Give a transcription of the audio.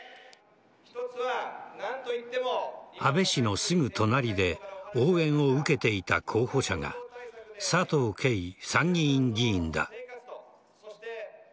安倍氏のすぐ隣で応援を受けていた候補者が佐藤啓参議院議員だ。